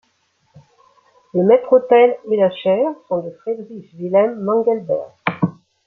Le maître-autel et la chaire sont de Friedrich Wilhelm Mengelberg.